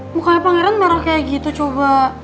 mukanya pangeran marah kayak gitu coba